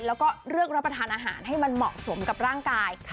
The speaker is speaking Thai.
แล้วก็เลือกรับประทานอาหารให้มันเหมาะสมกับร่างกาย